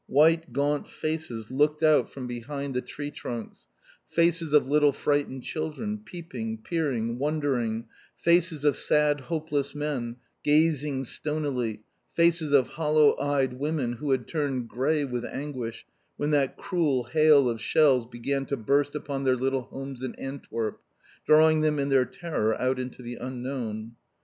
White gaunt faces looked out from behind the tree trunks, faces of little frightened children, peeping, peering, wondering, faces of sad, hopeless men, gazing stonily, faces of hollow eyed women who had turned grey with anguish when that cruel hail of shells began to burst upon their little homes in Antwerp, drawing them in their terror out into the unknown.